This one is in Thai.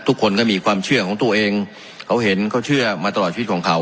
ทุกคนก็มีความเชื่อของตัวเองเขาเห็นเขาเชื่อมาตลอดชีวิตของเขา